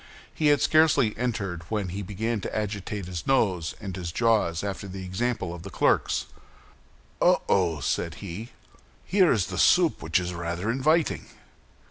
He had scarcely entered when he began to agitate his nose and his jaws after the example of his clerks. "Oh, oh!" said he; "here is a soup which is rather inviting."